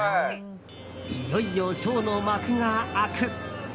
いよいよショーの幕が開く。